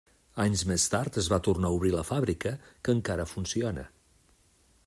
Anys més tard es va tornar a obrir la fàbrica, que encara funciona.